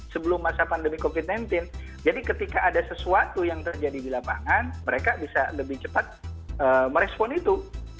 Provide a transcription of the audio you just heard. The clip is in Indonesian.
sebelum masa pandemi covid sembilan belas jadi ketika ada sesuatu yang terjadi di lapangan mereka bisa lebih cepat merespon itu